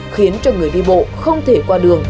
khiến cho người đi bộ không thể qua đường